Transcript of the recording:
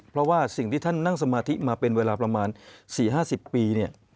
เพราะว่าสิ่งที่ท่านนั่งสมาธิมาเป็นเวลาประมาณ๔๕๐ปีเนี่ย